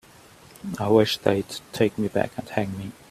I wish they'd take me back and hang me.